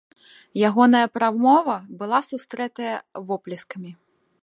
Ягоная прамова была сустрэтая воплескамі.